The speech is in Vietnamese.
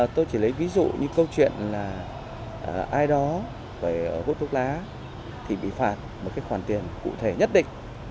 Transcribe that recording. tôi chỉ lấy ví dụ như câu chuyện là ai đó phải hút thuốc lá thì bị phạt một khoản tiền cụ thể nhất định